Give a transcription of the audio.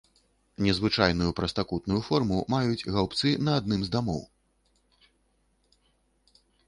Незвычайную прастакутную форму маюць гаўбцы на адным з дамоў.